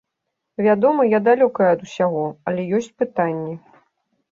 Вядома, я далёкая ад усяго, але ёсць пытанні.